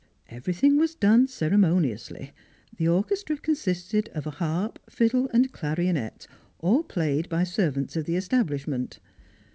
Everything was done ceremoniously. The orchestra consisted of a harp, fiddle and clarionet, all plaj'cd by servants of the establislament.